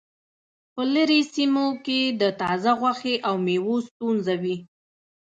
په لرې سیمو کې د تازه غوښې او میوو ستونزه وي